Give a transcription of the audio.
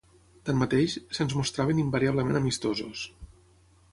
Tanmateix, se'ns mostraven invariablement amistosos